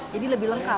jadi lebih lengkap